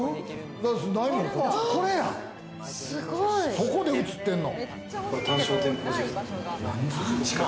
そこで映ってんの？